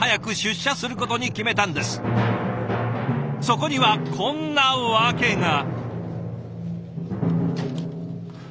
そこにはこんな訳が。